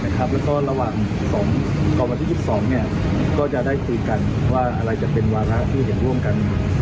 กลุ่มที่๒๒นจะได้คุยกันว่าอะไรจะเป็นวาระที่จะร่วมกัน